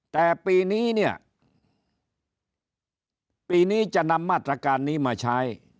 แต่ปีนี้เนี่ยปีนี้จะนำมาตรการนี้มาใช้